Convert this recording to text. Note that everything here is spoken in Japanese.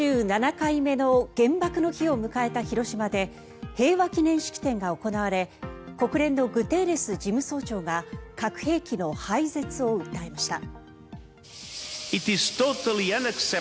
７７回目の原爆の日を迎えた広島で平和記念式典が行われ国連のグテーレス事務総長が核兵器の廃絶を訴えました。